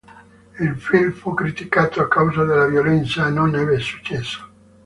Il film fu criticato a causa della violenza e non ebbe successo.